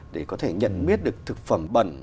để có thể nhận biết được thực phẩm bẩn